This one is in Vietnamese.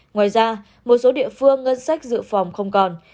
ngoài ra một số địa phương ngân sách dự phòng không còn